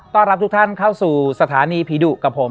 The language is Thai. รับทุกท่านเข้าสู่สถานีผีดุกับผม